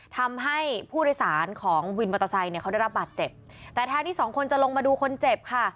ทำให้ผู้โดยสารของวินมอเตอร์ไซค์เนี่ยเขาได้รับบาดเจ็บแต่แทนที่สองคนจะลงมาดูคนเจ็บค่ะ